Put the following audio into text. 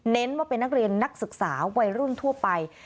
ว่าเป็นนักเรียนนักศึกษาวัยรุ่นทั่วไป